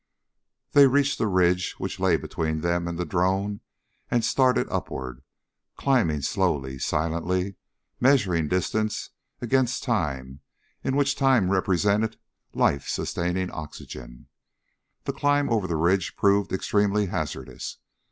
They reached the ridge which lay between them and the drone and started upward, climbing slowly, silently, measuring distance against time in which time represented life sustaining oxygen. The climb over the ridge proved extremely hazardous.